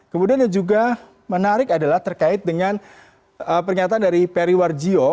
kemudian yang juga menarik adalah terkait dengan pernyataan dari perry warjio